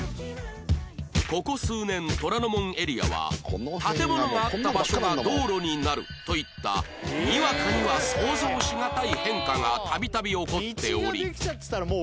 ここ数年虎ノ門エリアは建物があった場所が道路になるといったにわかには想像しがたい変化が度々起こっており